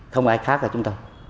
không ai khác là chúng tôi